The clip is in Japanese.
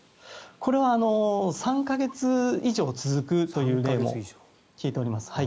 これは３か月以上続くという例も聞いております。